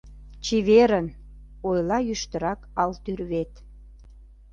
— Чеверын! — ойла йӱштырак ал тӱрвет.